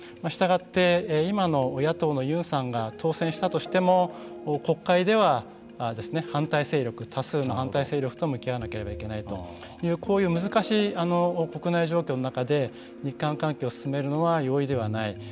したがって今の野党のユンさんが当選したとしても国会では反対勢力多数の反対勢力と向き合わなければいけないというこういう難しい国内状況の中で日韓関係を進めるのは容易ではない。